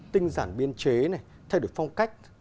tinh giản biên chế thay đổi phong cách